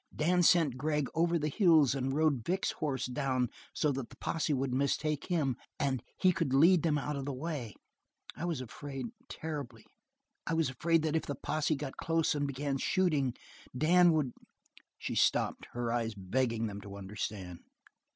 Dan sent Gregg over the hills and rode Vic's horse down so that the posse would mistake him, and he could lead them out of the way. I was afraid, terribly, I was afraid that if the posse got close and began shooting Dan would " She stopped; her eyes begged them to understand.